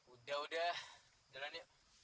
udah udah jalan yuk